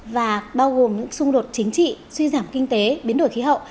và bao gồm những xung đột chính trị suy giảm kinh tế biến đổi khí hậu